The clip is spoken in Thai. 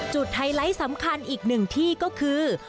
ไฮไลท์สำคัญอีกหนึ่งที่ก็คือ